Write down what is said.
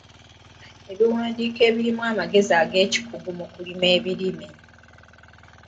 Ebiwandiiko ebirimu amagezi ag’ekikugu mu kulima ebimera.